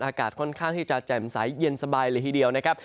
อากาศค่อนข้างที่จะแจ่มใสเย็นสบายเลยทีเดียวนะครับ